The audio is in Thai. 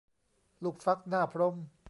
ลูกฟักหน้าพรหม